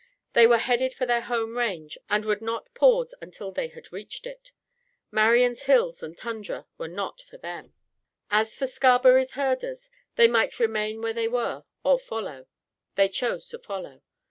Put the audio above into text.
They were headed for their home range, and would not pause until they had reached it. Marian's hills and tundra were not for them. As for Scarberry's herders, they might remain where they were or follow. They chose to follow.